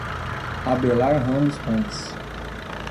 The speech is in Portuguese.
Abelar Ramos Pontes